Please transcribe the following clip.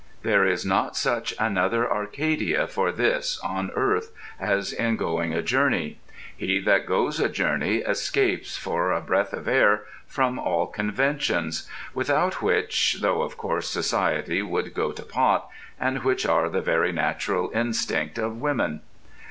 There is not such another Arcadia for this on earth as in going a journey. He that goes a journey escapes, for a breath of air, from all conventions; without which, though, of course, society would go to pot; and which are the very natural instinct of women.